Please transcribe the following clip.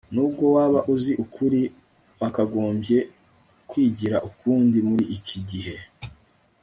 nubwo waba uzi ukuri, wakagombye kwigira ukundi muri iki gihe